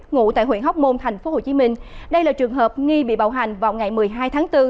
ngụ tại huyện hóc môn tp hcm đây là trường hợp nghi bị bạo hành vào ngày một mươi hai tháng bốn